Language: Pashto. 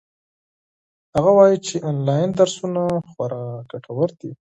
هغه وایي چې آنلاین درسونه خورا ګټور دي.